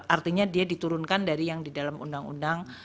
artinya dia diturunkan dari yang di dalam undang undang